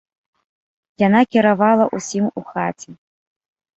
Яна кіравала ўсім у хаце.